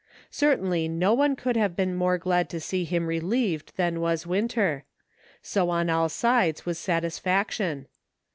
Certainly no one could have been more glad to see him relieved than was Winter ; so on all sides was satisfaction.